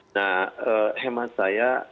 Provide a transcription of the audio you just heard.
nah hemat saya